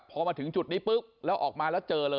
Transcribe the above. พอมาถึงจุดนี้ปุ๊บแล้วออกมาแล้วเจอเลย